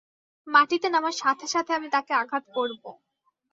মাটিতে নামার সাথে সাথে আমি তাকে আঘাত করবো!